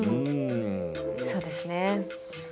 そうですねはい。